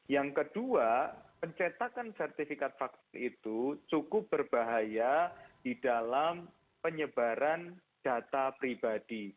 yang kedua pencetakan sertifikat vaksin itu cukup berbahaya di dalam penyebaran data pribadi